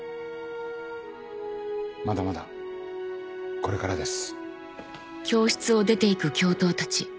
まだまだこれからです。